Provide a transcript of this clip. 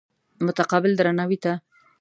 متقابل درناوي ته.